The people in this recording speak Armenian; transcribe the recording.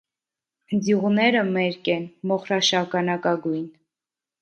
Ընձյուղները մերկ են, մոխրաշագանակագույն։